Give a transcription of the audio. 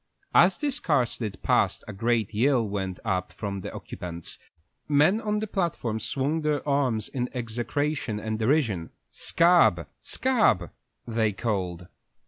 As this car slid past a great yell went up from the occupants; men on the platforms swung their arms in execration and derision. "Sc ab, sc ab!" they called.